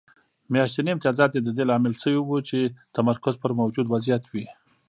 میاشتني امتیازات د دې لامل شوي وو چې تمرکز پر موجود وضعیت وي